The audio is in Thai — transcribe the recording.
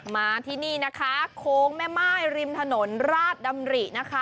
มาที่นี่นะค่ะโค้งแม่ไม่ริมถนนราชดำรี